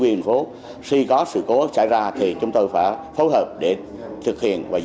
bên cạnh nỗ lực của lực lượng chức năng